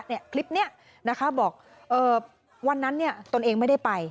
เนี่ยคลิปเนี่ยนะคะบอกวันนั้นเนี่ยตนเองไม่ได้ไป